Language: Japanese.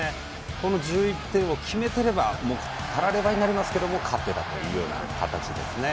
この１１点を決めていればたらればになりますが勝っていたという形ですね。